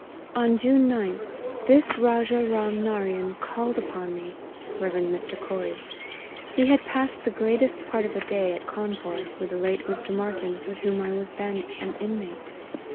On June 9th, this Rajah Ram Narian called upon me, (Rev. Mr. Corrie.) He had passed the greatest part of a day at Cawnpore, with the late Mr. Martyn, with whom I was then an inmate.